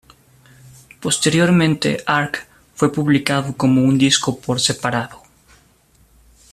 Posteriormente, "Arc" fue publicado como un disco por separado.